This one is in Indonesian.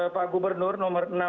pak gubernur nomor enam